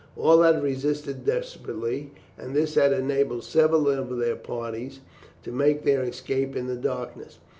All had resisted desperately, and this had enabled several of their party to make their escape in the darkness.